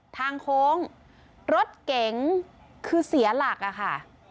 ทางโค้งรถเก๋งคือเสียหลักอะค่ะ